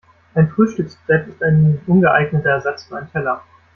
Ein Frühstücksbrett ist ein ungeeigneter Ersatz für einen Teller.